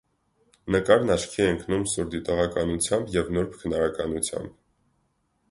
Նկարն աչքի է ընկնում սուր դիտողականությամբ և նուրբ քնարականությամբ։